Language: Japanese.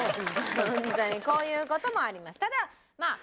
ホントにこういう事もあります。